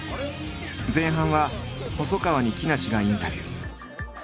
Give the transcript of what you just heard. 前半は細川に木梨がインタビュー。